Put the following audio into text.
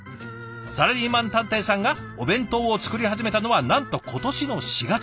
サラリーマン探偵さんがお弁当を作り始めたのはなんと今年の４月。